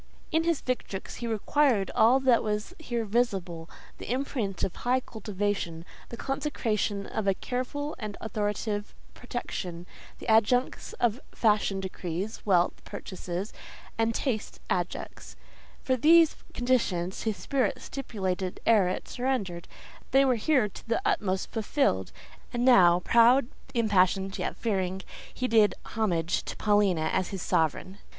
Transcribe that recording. In his victrix he required all that was here visible—the imprint of high cultivation, the consecration of a careful and authoritative protection, the adjuncts that Fashion decrees, Wealth purchases, and Taste adjusts; for these conditions his spirit stipulated ere it surrendered: they were here to the utmost fulfilled; and now, proud, impassioned, yet fearing, he did homage to Paulina as his sovereign.